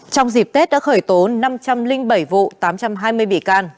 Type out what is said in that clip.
trong dịp tết đã khởi tố năm trăm linh bảy vụ tám trăm hai mươi bị can